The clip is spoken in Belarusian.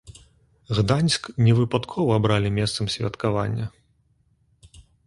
Гданьск не выпадкова абралі месцам святкавання.